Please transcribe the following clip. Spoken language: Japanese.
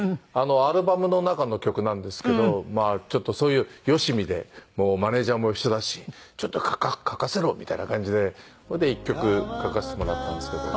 アルバムの中の曲なんですけどちょっとそういうよしみでもうマネジャーも一緒だし「ちょっと書かせろ！」みたいな感じでそれで１曲書かせてもらったんですけど。